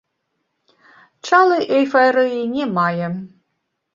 Чалы эйфарыі не мае.